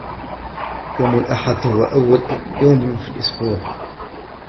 يوم الأحد هو أول يوم في الأسبوع.